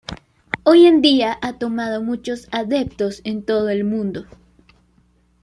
Hoy en día ha tomado muchos adeptos en todo el mundo.